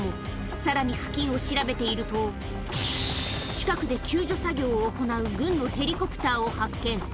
さらに付近を調べていると、近くで救助作業を行う軍のヘリコプターを発見。